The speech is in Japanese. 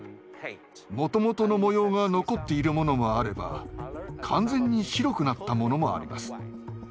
もともとの模様が残っているものもあれば完全に白くなったものもあります。